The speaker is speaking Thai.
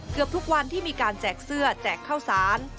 เกือบทุกวันที่มีการแจกเสื้อแจกข้าวสาร